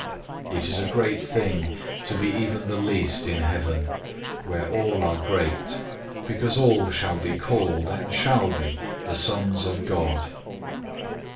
It is a great thing to be even the least in Heaven, where all are great, because all shall be called, and shall be, the sons of God.